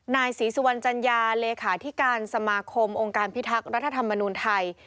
นายศรีสุวรรณจัญญาเลขาธิการสมาคมองค์การพิทักษ์รัฐธรรมนูลไทย